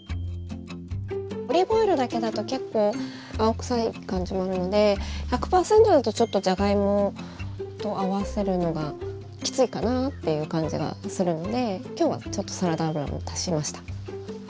オリーブオイルだけだと結構青臭い感じもあるので１００％だとちょっとじゃがいもと合わせるのがきついかなっていう感じがするので今日はちょっとサラダ油も足しました。